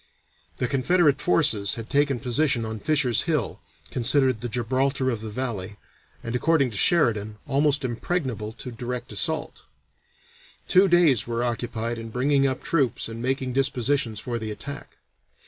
The Confederate forces had taken position on Fisher's Hill, considered the Gibraltar of the Valley, and according to Sheridan, almost impregnable to a direct assault. Two days were occupied in bringing up troops and making dispositions for the attack.